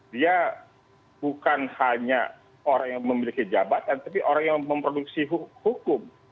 dia bukan hanya orang yang memiliki jabatan tapi orang yang memproduksi hukum